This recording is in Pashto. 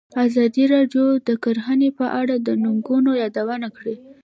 ازادي راډیو د کرهنه په اړه د ننګونو یادونه کړې.